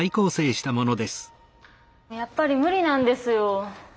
やっぱり無理なんですよ